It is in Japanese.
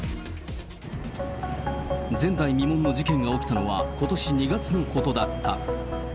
前代未聞の事件が起きたのは、ことし２月のことだった。